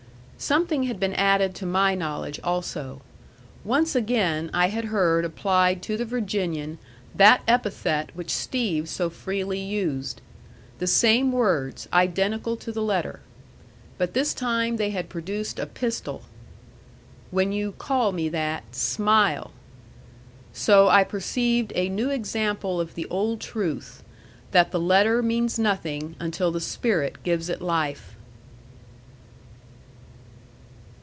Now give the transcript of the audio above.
Something had been added to my knowledge also. Once again I had heard applied to the Virginian that epithet which Steve so freely used. The same words, identical to the letter. But this time they had produced a pistol. "When you call me that, SMILE!" So I perceived a new example of the old truth, that the letter means nothing until the spirit gives it life.